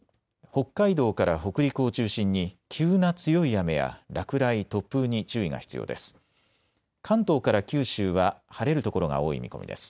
北海道から北陸を中心に急な強い雨や落雷、突風に注意が必要です。